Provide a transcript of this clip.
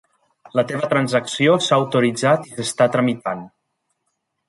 La teva transacció s'ha autoritzat i s'està tramitant.